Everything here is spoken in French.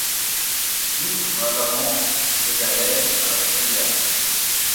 Suivre la pente, c'est aller à la rivière.